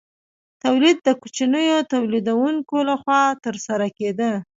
تولید د کوچنیو تولیدونکو لخوا ترسره کیده.